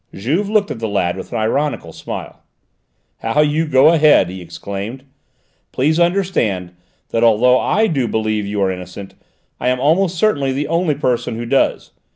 Juve looked at the lad with an ironical smile. "How you go ahead!" he exclaimed. "Please understand that although I do believe you are innocent, I am almost certainly the only person who does.